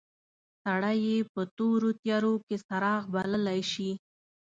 سړی یې په تورو تیارو کې څراغ بللای شي.